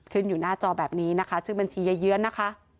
ขึ้นอยู่หน้าจอแบบนี้นะคะชื่อบัญชียายเยื้อนนะคะ